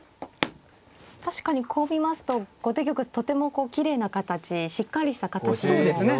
確かにこう見ますと後手玉とてもきれいな形しっかりした形にも。そうですね。